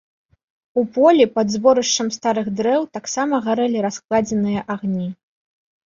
У полі, пад зборышчам старых дрэў, таксама гарэлі раскладзеныя агні.